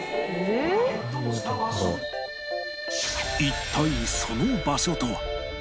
一体その場所とは？